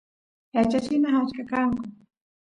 yachachinas achka kanku